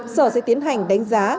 sở sẽ tiến hành đánh giá